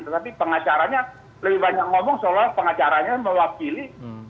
tetapi pengacaranya lebih banyak ngomong seolah pengacaranya mewakili